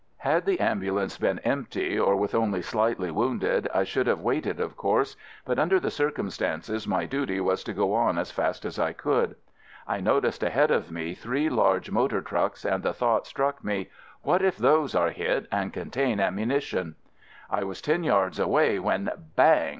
Had the ambulance been empty, or with only slightly wounded, I should have waited, of course, but under the circumstances my duty was to go on as fast as I could. I noticed ahead of me 90 AMERICAN AMBULANCE three large motor trucks and the thought struck me: "What if those are hit and contain ammunition." I was ten yards away when — hang